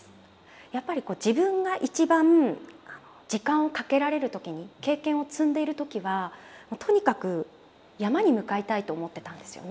やっぱりこう自分が一番時間をかけられる時に経験を積んでいる時はとにかく山に向かいたいと思ってたんですよね。